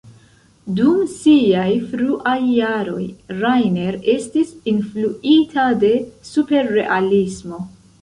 Dum siaj fruaj jaroj, Rainer estis influita de Superrealismo.